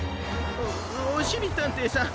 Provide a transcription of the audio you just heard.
おおしりたんていさん